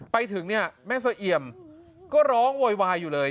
ไปถึงเนี่ยแม่สะเอี่ยมก็ร้องโวยวายอยู่เลย